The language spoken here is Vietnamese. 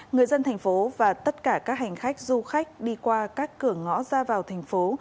người dân thành phố và tất cả các hành khách du khách đi qua các cửa ngõ ra vào thành phố